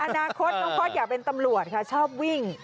อนาคตน้องพอร์ตอยากเป็นตำรวจค่ะชอบวิ่ง